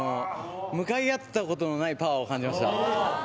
向かい合ったことのないパワーを感じました。